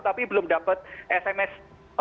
tapi belum dapat sms